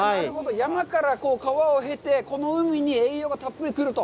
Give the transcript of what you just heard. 山から川をへて、この海に栄養がたっぷり来ると？